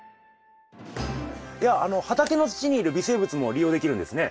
いや畑の土にいる微生物も利用できるんですね。